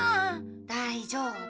大丈夫。